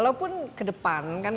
walaupun ke depan